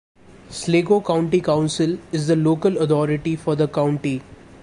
Sligo County Council is the local authority for the county.